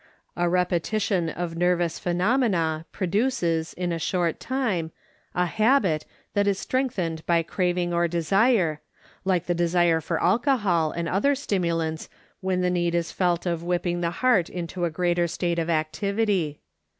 A repe tition of nervous phenomena produces, in a short time, a habit that is strengthened by craving or desire, like the desire for al cohol and other stimulants when the need is felt of whipping the heart into a greater state of activity.